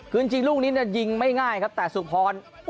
คือจริงลูกนี้ยิงไม่ง่ายครับแต่สุพร